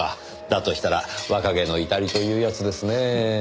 だとしたら若気の至りというやつですねぇ。